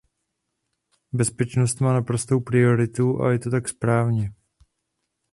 Bezpečnost má naprostou prioritu, a je to tak správně.